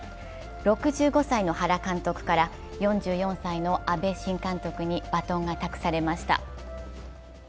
６５歳の原監督から４４歳の阿部新監督にバトンが託されました。